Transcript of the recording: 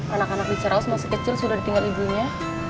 anak anak di ceraus masih kecil sudah ditinggal ibunya